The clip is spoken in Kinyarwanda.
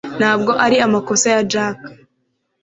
ntabwo ari amakosa ya jack